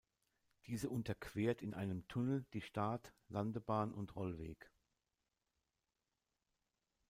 Diese unterquert in einem Tunnel die Start-, Landebahn und Rollweg.